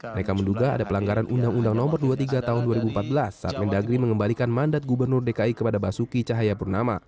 mereka menduga ada pelanggaran undang undang no dua puluh tiga tahun dua ribu empat belas saat mendagri mengembalikan mandat gubernur dki kepada basuki cahayapurnama